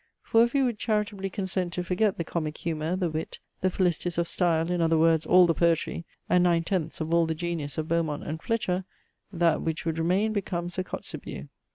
For if we would charitably consent to forget the comic humour, the wit, the felicities of style, in other words, all the poetry, and nine tenths of all the genius of Beaumont and Fletcher, that which would remain becomes a Kotzebue.